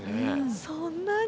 そんなに。